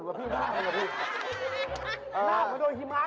หน้ากับโดยหิมะขัด